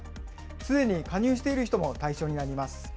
すでに加入している人も対象になります。